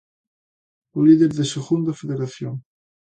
O líder de Segunda Federación.